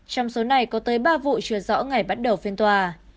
trong số này có tới ba vụ chưa rõ ngày bắt đầu phiên tòa